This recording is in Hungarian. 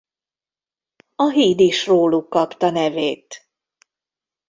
A híd is róluk kapta nevét.